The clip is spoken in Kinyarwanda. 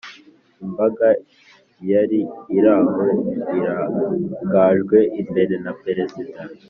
imbaga yari iraho irangajwe imbere na perezida